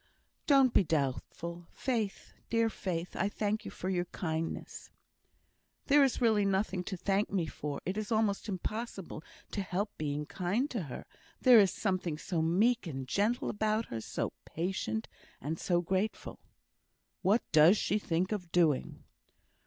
"Don't be doubtful, Faith! Dear Faith, I thank you for your kindness." "There is really nothing to thank me for. It is almost impossible to help being kind to her; there is something so meek and gentle about her, so patient, and so grateful!" "What does she think of doing?"